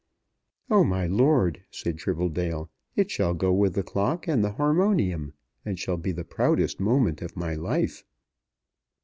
"Oh, my lord," said Tribbledale, "it shall go with the clock and the harmonium, and shall be the proudest moment of my life."